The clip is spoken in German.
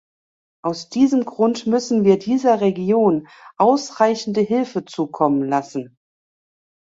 Aus diesem Grund müssen wir dieser Region ausreichende Hilfe zukommen lassen.